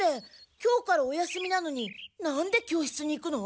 今日からお休みなのになんで教室に行くの？